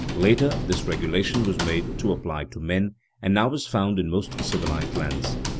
Later, this regulation was made to apply to men, and now is found in most civilized lands.